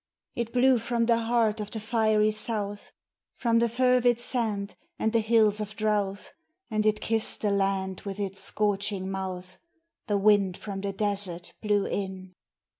It blew from the heart of the fiery south, From the fervid sand and the hills of drouth, And it kissed the land with its scorching mouth; The wind from the desert blew in!